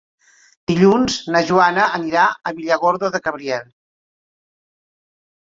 Dilluns na Joana anirà a Villargordo del Cabriel.